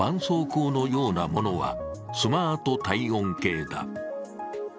そうこうのようなものはスマート体温計だ。